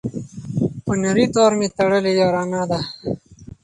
په نري تار مي تړلې یارانه ده